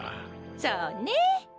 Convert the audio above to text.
そうね。